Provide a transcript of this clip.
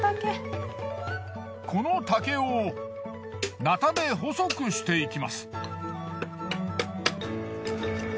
この竹をなたで細くしていきます。